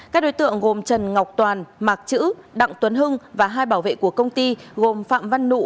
các đối tượng gồm trần ngọc toàn mạc chữ đặng tuấn hưng và hai bảo vệ của công ty gồm phạm văn nụ